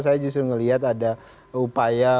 saya justru melihat ada upaya